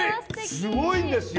すごいんですよ。